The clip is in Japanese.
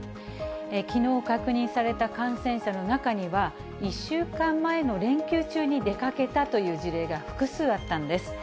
きのう確認された感染者の中には、１週間前の連休中に出かけたという事例が複数あったんです。